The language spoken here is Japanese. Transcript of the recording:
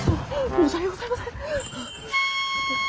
申し訳ございません。